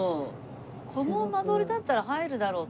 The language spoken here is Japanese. この間取りだったら入るだろうって。